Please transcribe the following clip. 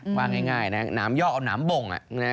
ความง่ายนะน้ำยอกหรือน้ำบ่งนะ